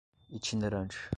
itinerante